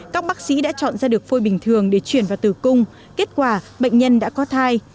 các bác sĩ đã chọn ra được phôi bình thường để chuyển vào tử cung kết quả bệnh nhân đã có thai